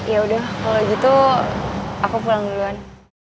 yaudah kalau gitu aku pulang duluan